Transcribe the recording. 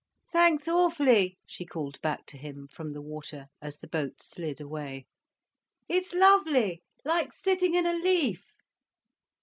"Thanks awfully," she called back to him, from the water, as the boat slid away. "It's lovely—like sitting in a leaf."